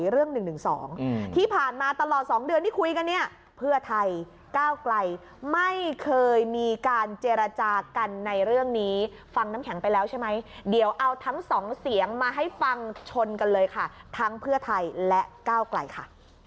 เรื่องนี้ฟังน้ำแข็งไปแล้วใช่ไหมเดี๋ยวเอาทั้งสองเสียงมาให้ฟังชนกันเลยค่ะทั้งเพื่อไทยและก้าวไกลค่ะ